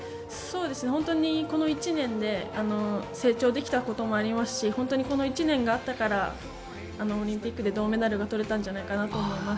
この１年で成長できたこともありますし本当にこの１年があったからオリンピックで銅メダルがとれたんじゃないかと思います。